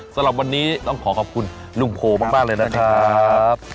สำหรับวันนี้ต้องขอขอบคุณลุงโพมากเลยนะครับ